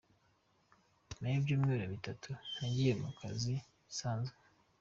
Nyuma y’ibyumweru bitatu, nagiye ku kazi bisanzwe.